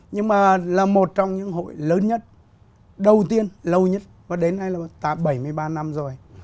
nhưng mà là một trong những hội lớn nhất đầu tiên lâu nhất và đến nay là bảy mươi ba năm rồi